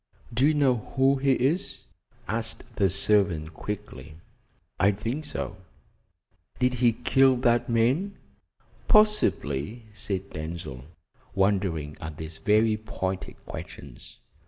"Do you know who he is?" asked the servant quickly. "I think so." "Did he kill that man?" "Possibly," said Denzil, wondering at these very pointed questions.